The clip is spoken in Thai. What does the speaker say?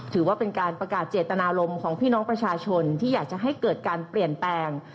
ถือว่าเป็นการประกาศเจตนารมณ์ของพี่น้องประชาชนที่อยากจะให้เกิดการเปลี่ยนแปลง